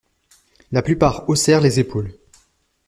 La plupart haussèrent les épaules.